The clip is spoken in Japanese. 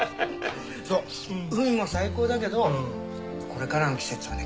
そう海も最高だけどこれからの季節はね